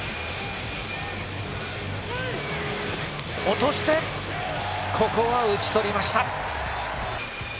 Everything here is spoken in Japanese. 落としてここは打ち取りました。